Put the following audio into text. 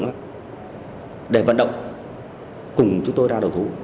đối tượng để vận động cùng chúng tôi ra đổ thú